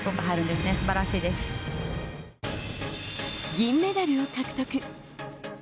銀メダルを獲得。